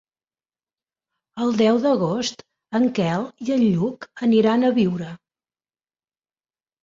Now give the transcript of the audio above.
El deu d'agost en Quel i en Lluc aniran a Biure.